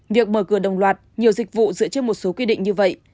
việc mở cửa đồng loạt nhiều dịch vụ dựa trên một số quy định như vậy